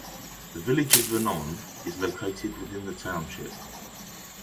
The village of Vernon is located within the township.